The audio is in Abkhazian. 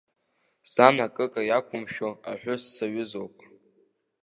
Зан акыка иақәымшәо аҳәыс саҩызоуп.